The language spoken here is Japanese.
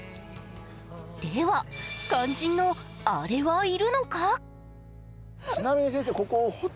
では、肝心のアレはいるのか？